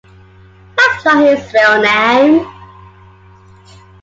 That's not his real name.